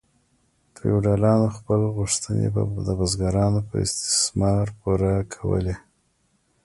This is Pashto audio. فیوډالانو خپلې غوښتنې د بزګرانو په استثمار پوره کولې.